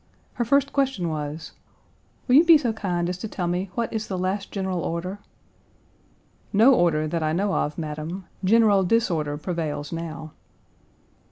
Her first question was: "Will you be so kind as to tell me what is the last general order?" "No order that I know of, madam; General Disorder prevails now."